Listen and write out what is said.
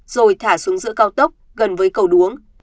rồi thả xuống giữa cao tốc gần với cầu đuống